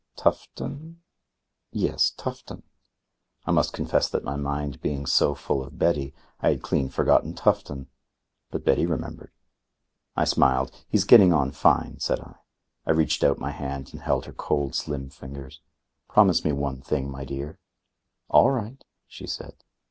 "Tufton ?" "Yes Tufton." I must confess that my mind being so full of Betty, I had clean forgotten Tufton. But Betty remembered. I smiled. "He's getting on fine," said I. I reached out my hand and held her cold, slim fingers. "Promise me one thing, my dear." "All right," she said.